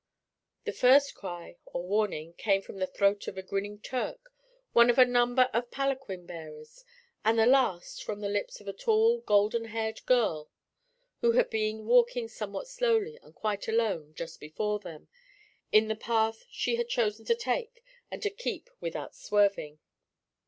The first cry, or warning, came from the throat of a grinning Turk, one of a number of palanquin bearers, and the last from the lips of a tall golden haired girl who had been walking somewhat slowly, and quite alone, just before them, in the path she had chosen to take and to keep without swerving.